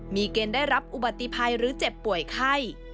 มีเกณฑ์ได้รับอุบัติภัยหรือเจ็บป่วยไข้